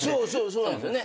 そうなんですよね。